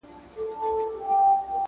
مار پر ږغ کړل ویل اې خواره دهقانه.!